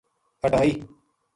ہٹائی